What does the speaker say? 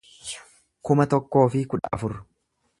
kuma tokkoo fi kudha afur